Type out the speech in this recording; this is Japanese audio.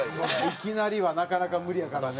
いきなりはなかなか無理やからね。